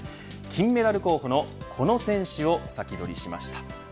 金メダル候補のこの選手を先取りしました。